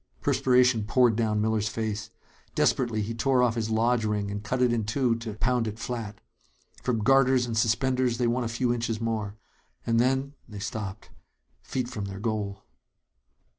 Perspiration poured down Miller's face. Desperately, he tore off his lodge ring and cut it in two to pound it flat. From garters and suspenders they won a few inches more. And then they stopped feet from their goal.